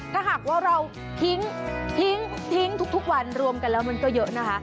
ถ้าหากว่าเราทิ้งทิ้งทุกวันรวมกันแล้วมันก็เยอะนะคะ